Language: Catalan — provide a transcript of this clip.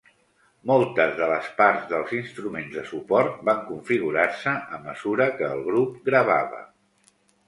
Moltes de les parts dels instruments de suport van configurar-se a mesura que el grup gravava.